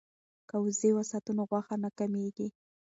که وزې وساتو نو غوښه نه کمیږي.